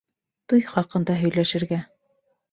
Туй хаҡында һөйләшергә.